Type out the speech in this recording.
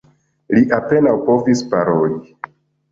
Li apenaŭ povis paroli.